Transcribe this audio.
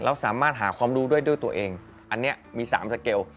แล้วสามารถหาความรู้ด้วยด้วยตัวเองอันนี้มี๓สเกล